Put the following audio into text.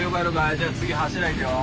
じゃあ次柱行くよ。